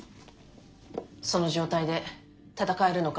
その状態で戦えるのか？